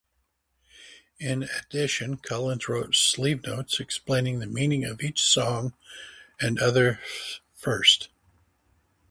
In addition, Collins wrote sleeve notes explaining the meaning of each song, another first.